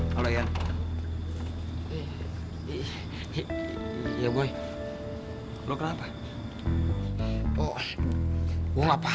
kalau bapak benn inserted